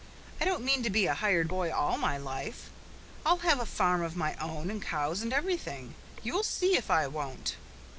"I don't mean to be a hired boy all my life. I'll have a farm of my own and cows and everything. You'll see if I won't."